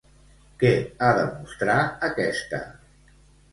Què ha de mostrar aquesta?